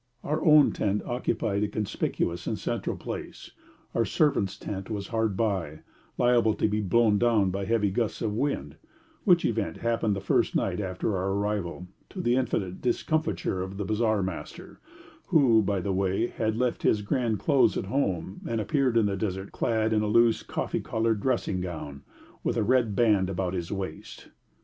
Our own tent occupied a conspicuous and central place; our servants' tent was hard by, liable to be blown down by heavy gusts of wind, which event happened the first night after our arrival, to the infinite discomfiture of the bazaar master, who, by the way, had left his grand clothes at home, and appeared in the desert clad in a loose coffee coloured dressing gown, with a red band round his waist.